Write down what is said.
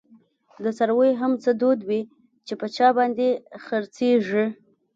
د څارویو هم څه دود وی، چی په چا باندي خر څیږی